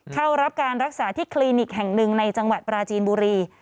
เข้ารับการรักษาที่คลินิกแห่งหนึ่งในจังหวัดปราจีนบุรี